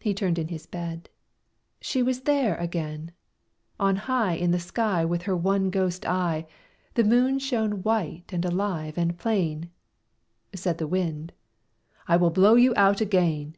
He turned in his bed; she was there again! On high In the sky With her one ghost eye, The Moon shone white and alive and plain. Said the Wind "I will blow you out again."